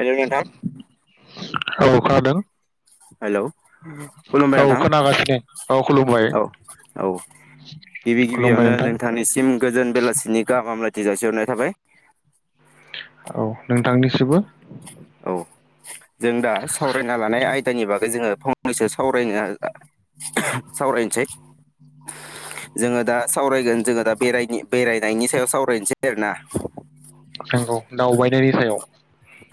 Hello नोंथां। औ खोनादों हेलौ औ खुलुमबाय नोंथां खोनागासिनो औ खुलुमबाय औ औ गिबि खुलुमबाय गिबियावनो नोंथां नोंथांनिसिम गोजोन बेलासिनि गाहाम हामलायथि जासिहरनाय जाबाय औ नोंथांनिसिबो औ जों दा सावरायना लानाय आयदानि बागै जोङो फं नैसो सावरायनो [unintelligible] सावरायनसै जोङो दा सावरायगोन जोङो दा बेरायनि बेरायनायनि सायाव सावरायनसै आरोना नि सायाव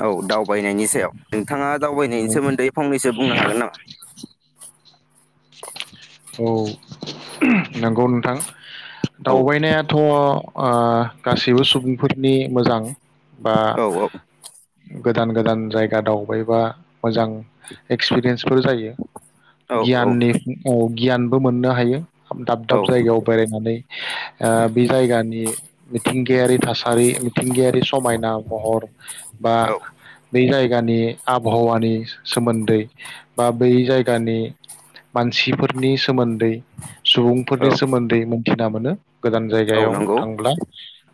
औ दावबायनायनि सायाव नोंथाङा दावबायनायनि नंगौ सोमोन्दै फंनैसो बुंनो हागोन नामा [inaudible] औ नंगौ नोंथां औ दावबायनायाथ ओ गासैबो सुबुंफोरनि मोजां बा औ औ गोदान गोदान जायगा दावबायबा मोजां एक्सपिरियेन्स [unintelligible] जायो औ गियाननि गियानबो मोननो हायो दाब औ दाब जायगायाव बेरायनानै बे जायगानि मिथिंगायारि थासारि मिथिंगायारि समायना महर बा बे जाय गानि आबहावानि सोमोन्दै बा बै जायगानि मान सिफोरनि सोमोन दै औ सुबुंफोरनि सोमोन्दै मोन [unintelligible] मोनो गोदान औ जायगायाव नंगौ थांब्ला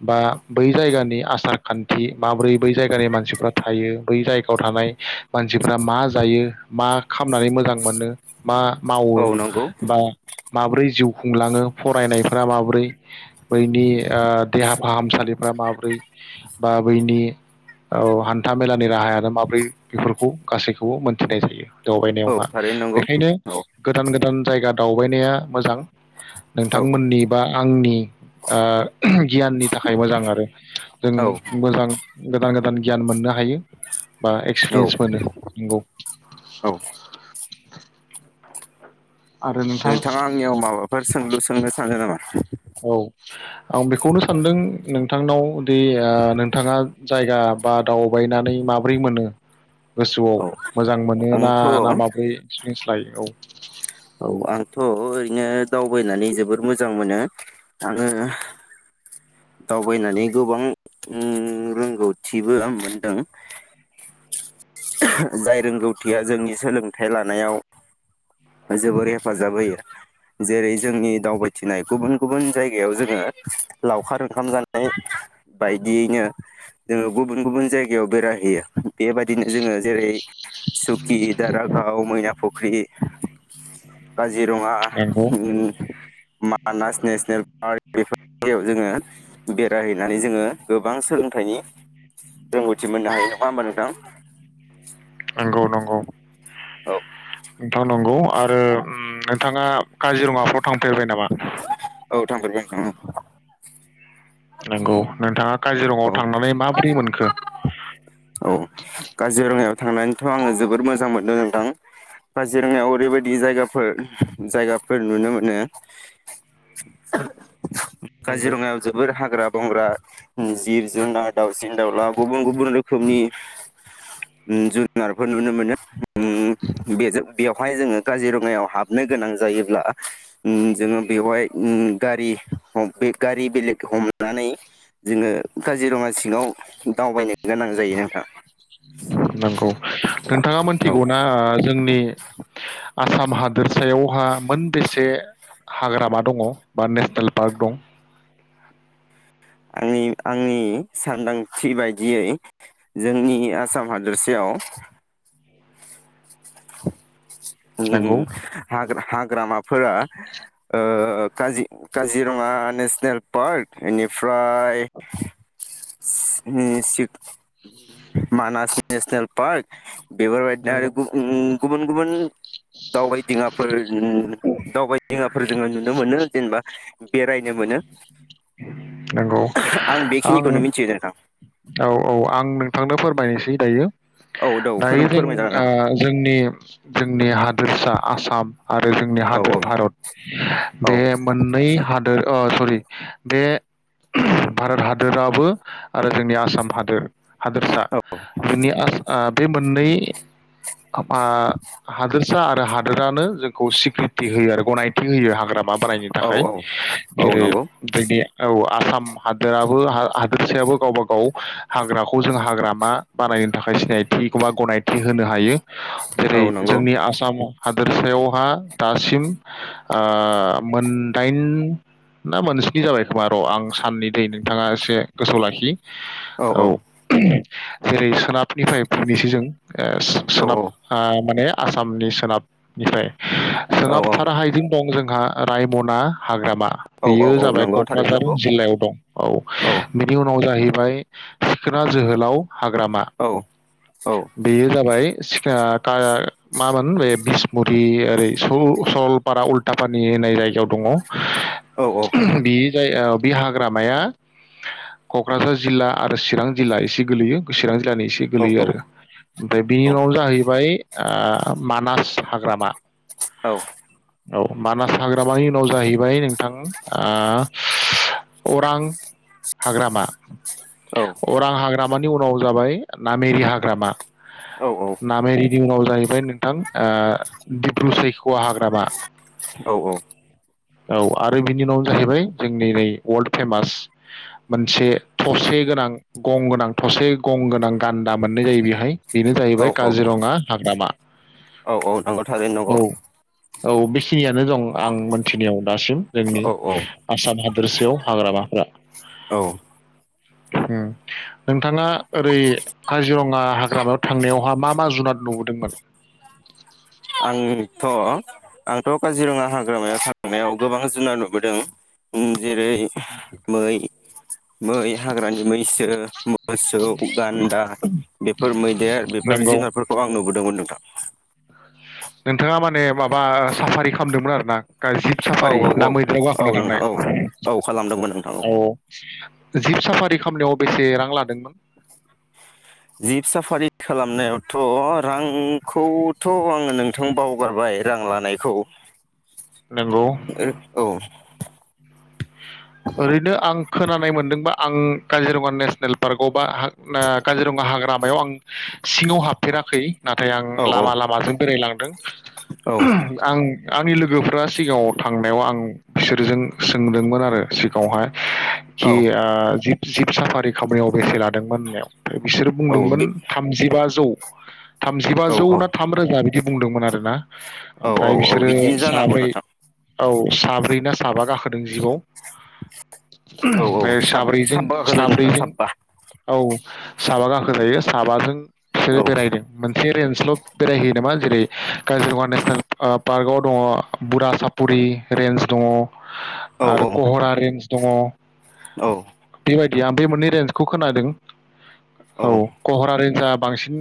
बा बै जायगानि आसार खान्थि माब्रै बै जायगानि मानसिफ्रा थायो बै जायगायाव थानाय मानसिफ्रा मा जायो मा खामनानै मोजां मोनो मा मावो औ नंगौ बा माब्रै जिउ खुंलाङो फरायनायफ्रा माबोरै बैनि ओ देहा फाहामसालिफ्रा माबोरै बा बैनि औ हान्था मेला नि राहायानो माब्रै बेफोरखौ गासैखौबो मोन्थिनाय जायो। औ दावबायनायावहा थारैनो नंगौ बेखायनो औ गोदान गोदान जायगा दावबायनाया मोजां। औ नोंथांमोननि बा आंनि ओ गियाननि थाखाय मोजां आरो जों औ मोजां गोदान गोदान गियान मोननो हायो। बा औ एक्सप्रियेन्स मोनो नंगौ। औ [unintelligible] आरो नोंथां नोंथाङा आंनियाव माबाफोर सोंलु सोंनो सानो नामा? [unintelligible] औ आं बेखौनो सानदों नों थांनाव दैया नोंथाङा जायगा बा दावबायनानै माब्रै मोनो? गोसोआव औ मोजां मोनो ना आंथ' ना माब्रै एक्सप्रियेन्स लायो औ। [unintelligible] औ आंथ' ओरैनो दावबायनानै जोबोर मोजां मोनो आङो दावबायनानै गोबां उम रोंगौथिबो आं मोनदों। जाय रोंगौथिया जोंनि सोलोंथाइ लानायाव जोबोर हेफाजाब होयो। जेरै जोंनि दावबायथिनाय गुबुन गुबुन जायगायाव जोङो लावखार ओंखाम जानाय बायदियैनो जोङो गुबुन गुबुन जायगायाव बेरायहैनायनि बेबा बिनो जोङो जेरै सुकि, दारागाव, मैना फुख्रि, काजिरङा, नंगौ उम मानास नेसनेल पार्क बेफोरबायदियाव जोङो बेरायहैनानै जोङो गोबां सोलोंथाइनि रोंगौथि मोननो हायो नङा होमबा नोंथां? नोंगौ नंगौ। औ। नोंथां नंगौ आरो उम नोंथाङा काजिरङाफ्राव थां फेरबाय नामा? औ थांफेरबाय आंखो उम। नंगौ नोंथाङा काजिरङायाव औ थांनानै माबोरै मोनखो? औ काजिरङायाव थांनानैथ' आङो जोबोर मोजां मोनदों नोंथां काजिरङायाव ओरैबायदि जायगाफोर जायगाफोर नुनो मोनो [unintelligible] नंगौ काजिरङायाव जोबोर हाग्रा बंग्रा ओम जिब जुनार दाउसिन दाउला गुबुन गुबुन रोखोमनि ओम जुनारफोर नुनो मोनो ओम बेजों बेवहाय जोङो काजिरङायाव हाबनो गोनां जायोब्ला ओम जोङो बेवहाय ओम गारि बे गारि बेलेग हमनानै जोङो काजिरङा सिङाव दावबायनो गोनां जायो नोंथां। नंगौ नोंथाङा औ मोनथिगौना ओ जोंनि आसाम हा दोरसायावहा मोनबेसे हाग्रामा दङ बा नेसनेल पार्क दं? आंनि आंनि सानदांथि बायदियै जोंनि आसाम हादोरसायाव नंगौ ओम हाग्रा हाग्रामा फोरा ओ ओ काजि-काजिरङा नेसनेल पार्क इनिफ्राय ओम थिग मानास नेसनेल पार्क बेबोरबायदिनो आरो नंगौ गुबुं गुबुन गुबुन दावबायदिङाफोर दावबायदिङाफोर जोङो नुनो मोनो जेनेबा बेरायनो मोनो नंगौ। आं बेखिनिखौनो मिथियो नोंथां। औ औ आं नोंथांनो फोरमायनोसै दायो औ दौ फोरोम जोंनि आ जोंनि जोंनि हादोरसा आसाम आरो जोंनि औ हादोर औ भारत औ बे मोननै हादोर ओ सरि बे भारत हादराबो आरो जोंनि आसाम हादोर हादोरसा बेनि आसा ओ बे मोननै ओ हादोरसा आरो हादोरानो जोंखौ सिक्रिथि होयो आरो गनायथि होयो हाग्रामा बानायनो औ थाखाय औ जेरै नंगौ जोंदि औ आसाम हादोराबो हा हादोरसायाबो गावबा गाव हाग्राखौ जों हाग्रामा बानायनो थाखाय सिनायथि एबा गनाय थि होनो हायो औ जेरै नंगौ जोंनि आसामाव हादोरसायावहा दासिम ओ मोनदाइन ना मोनस्नि जाबाय खोमा र आं साननि दै नोंथाङा एसे गोसोआव लाखि औ जेरै सोनाबनिफ्राय फैनोसै जों ओ सो औ सोनाब ओ माने आसामनि सोनाबनिफ्राय औ सोनाबथाराहायदिं दं जोंहा रायमना हाग्रामा औ औ बेयो औ जाबाय नंगौ थारैनो कक्राझार नंगौ जिल्लायाव दं औ बिनि उनाव जाहै फ्राय सिखोना जोहोलाव हाग्रामा औ औ बेयो जाबाय सिख ओ खा मामोन बे बिसमुरि ओरै सल-सलपारा उल्टापानि होननाय जायगायाव दङ। औ औ बि जाय ओ बे हाग्रामाया कक्राझार जिल्ला आरो चिरां जिल्ला एसे गोलैयो गोसोया जिलानि एसे औ गोलैयो आरो ओमफ्राय बिनि उनाव जाहैबाय ओ मानास हाग्रामा औ औ मानास हाग्रामानि उनाव जाहैबाय नोंथां ओ [inaudible] अरां हाग्रामा। अरां हाग्रा मानि उनाव जाबाय नामेरि हाग्रामा औ औ नि उनाव जाहैबाय नोंथां ओ दिब्रु सैखआ हाग्रामा औ औ औ आरो बिनि उनावनो जाहैबाय जोंनि नै वर्ल्ड फेमास मोन से थसे गोनां गं गोनां थसे गं गोनां गान्दा मोननाय जायो बेहाय। बेनो जाहैबाय औ काजिरङा हाग्रामा औ नंगौ थारैनो नंगौ औ औ बेखिनियानो दं आं मोन खिनियाव दासिम जोंनि औ आसाम हादोरसायाव हाग्रामाफोरा औ औ ह नोंथांङा ओरै काजिरङा हाग्रामायाव थांनायावहा मा मा जुनाद नुबोदोंमोन थ आंथ काजिरङा हाग्रामाया थांनायाव गोबां जुनार नुबोदों उम्म जेरै मै मै हाग्रानि मैसो मोसौ गान्दा बेफोर मैदेर बेफोर नंगौ जुनारफोर दोंमोन नोंथां नोंथांङा माने माबा ओ साफारि खामदोंमोन आरोना? गारि जिब औ साफारि औ ना मैदेराव औ गाखोना थांनाय? नोंथां औ औ खालामदोंमोन नोंथां औ जिब साफारि खामनायाव बेसे रां लादोंमोन? जिब साफारि खालामनायावथ रांखौथ आंङो नोंथां बावगारबाय रां लानायखौ। ओ नंगौ औ ओरैनो आं खोनानाय मोनदोंबा आं काजिरङा नेसनेल पार्कआव [unintelligible] काजिरङा हाग्रा मायाव आं सिङाव हाबफेराखै नाथाय आं औ लामा लामाजों बेरायलांदों औ आं आंनि लोगोफ्रा सिगाङाव थांनायाव आं बिसोरजों नुदोंमोन आरो सिगाङावहाय औ खि आ जि जिब साफारि खामनायाव बेसे लादोंमोन होननायाव बिसोरो औ बुंदोंमोन बे थामजिबाजौ औ थामजिबाजौ औ ना थाम रोजा बिदि बुंदोंमोन आरो ना औ औ ओमफ्राय औ बिसोरो बिदिनो जानांगौ साब्रै नोंथां औ। साब्रै ना साबाग गाह होदों जिबआव औ औ ओमफ्राय साब साब्रैजों साबबा गाखो जायो नोंथां साब्रैजों साबबा औ साबा गाखोजायो। साबाजों बिसोरो औ बेरायदों मोनसे रेन्जल बेरायहोयो नामा जेरै काजिरगङा नेसनेल पार्कआव दङ बुरा सापुरि रेन्ज दङ औ आरो कहरा रेन्ज दङ औ बायदि आ बे मोननै रेन्जखौ खोनादों औ औ खहरारि रेनजा बांसिन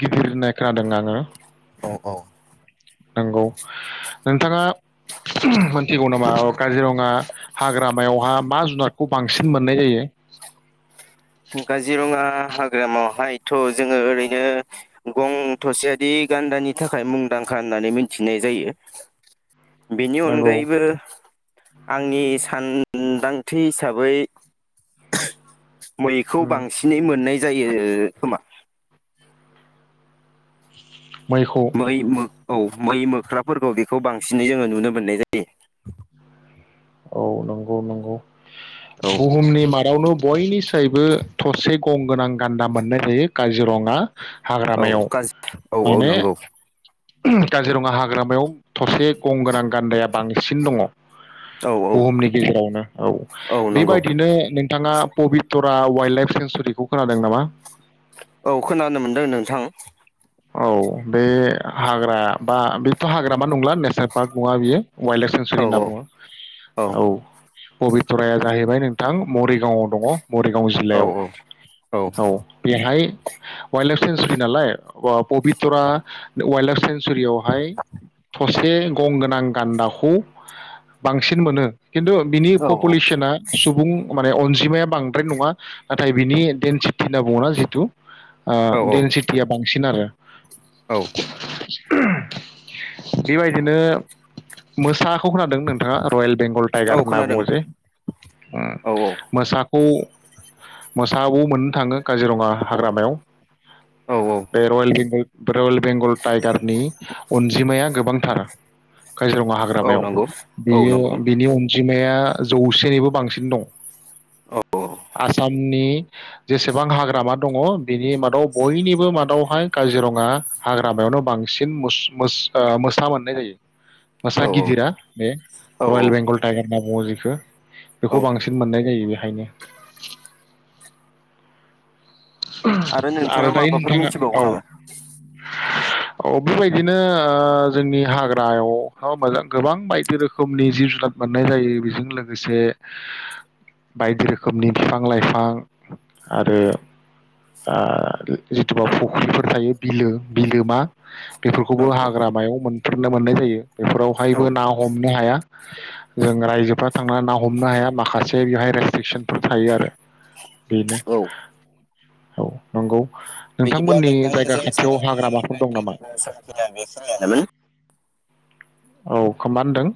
गिदिर होननाय खोनादों आङो औ औ नंगौ नोंथाङा मिथिगौ ना? काजिरङा हाग्रामायावहा मा जुनारखौ बांसिन मोननाय जायो काजिरङा हाग्रामावहायथ जोङो ओरैनो गं थसेयारि गान्दानि थाखाय मुंदांखा होननानै मिथिनाय जायो। बेनि नंगौ अनगायैबो आंनि सान मोनदांथि हिसाबै मैखौ उम बांसिनै मोननाय जायो खोमा [inaudible] मै मो औ मै मोख्राफोरखौ बेखौ बांसिनै जोङो नुनो मोननाय जायो। औ नंगौ नंगौ। औ बुहुमनि मादावनो बयनिसायबो थसे खम गोनां गान्दा मोननाय जायो काजिरङा औ हाग्रामायाव काज औ औ माने नंगौ काजिरङा हाग्रामायाव थरसे गं गोनां गान्दाया बांसिन दङ। औ औ बुहुमनि गेजेरावनो औ बेबायदिनो नोंथाङा पबितरा। वाइल्ड लाइफ सेन्सुरिखौ खोनादों नामा औ खोनानो मोनदों नोंथां औ बे हाग्रा बा बेथहाग्रामा नंला नेसनेल पार्क नङा बियो वाइल्ड लाइफ औ सेंसुरि होनना औ बुङो औ। पबितराया जाहैबाय नोंथां मरिगावआव दङ। मरिगाव जिल्लायाव औ बेहाय वाइल्ड लाइब सेेनसुरि नालाय पबितरा वाइल्ड लाइफ सेेंसुरियावहाय थसे गंगोनां गान्दाखौ बांसिन मोनो। खिन्थु बिनि पपुलेसना सुबुं माने अनजिमाया बांद्राय नङा नाथाय बिनि डेनसिटि होनना बुङा जितु ओ औ देनसिटिया बां फिन आरो। औ। बेबायदिनो मोसाखौ खोनादों नोंथाङा रयेल बेंगल औ टाइगार होनना खोनादों बुङो जे औ मोसा खौ मोसाबो मोननो थाङो। काजिरङा हाग्रामायाव। औ औ बेे रयेल बें रइल बेंगल टाइगार नि अनजिमाया गोबांथार काजिरङा औ हाग्रामायाव नंगौ औ बियो नंगौ बिनि अनजिमाया जौसेनिबो बांसिन दं। औ आसामनि जेसेबां हाग्रामा दङ बिनि मादाव बयनिबो माद दावहाय काजिरङा हाग्रामायावनो बांसिन मोस मोसा ओ मोसा मोननाय जायो। औ मोसा गिदिरा बे औ रयेल बेंगल टाइगार होनना बुङो जेखो। बेखौ नंगौ बांसिन मोननाय जायो बे खायनो। [unintelligible] नोंथाङा आरो दायो माबाफोर नोंथाङा मिथिबावगौ औ। नामा औ बेबायदिनो ओ जोंनि हाग्रायाव मोजां गोबां बायदि रोखोमनि जिब जुनार मोननाय जायो बेजों लोगोसे बायदि रोखोमनि बिफां लाइफां आरो ओ जिथुबा फुख्रिफोर थायो बिलो बिलोमा औ बेफोरखौबो हाग्रामायाव मोन फोरनो मोननाय जायो औ बेफोरावहायबो ना हमनो हाया जों रायजोफ्रा थांनानै ना हमनो हाया माखासे बेवहाय रेस्ट्रिकसनफोर थायो आरो बेनो। औ औ नंगौ। बिदिब्ला नोंथांमोननि नोंथां जायगा जों खाथियाव सानैनि हाग्रामाफोर दं नामा रायलायनायखौ एसांखिनियावनो [unintelligible] औ खोमा होनदों?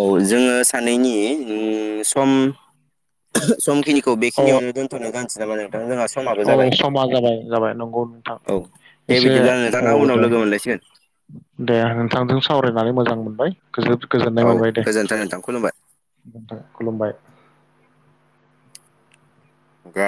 औ जोङो सानैनि ओम सम समखिनि अ समाबो औ जाबाय समा जाबाय जाबाय नंगौ नोंथां औ दे एसे बिदिब्ला औ नोंथाङा उनाव दे लोगो मोनलायसिगोन दे नोंथांजों सावराय नानै मोजां मोनबाय। गोजोन गोजोननाय औ मोनबाय दे गोजोन्थों नोंथां खुलुमबाय नोंथां खुलुमबाय। गा